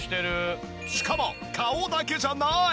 しかも顔だけじゃない！